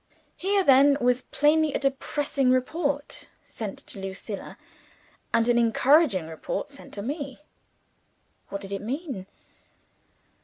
Here then was plainly a depressing report sent to Lucilla, and an encouraging report sent to me. What did it mean?